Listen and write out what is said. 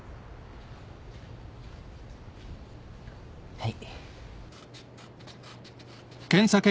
はい。